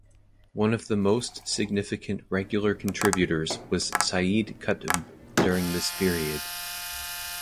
One of the most significant regular contributors was Sayyid Qutb during this period.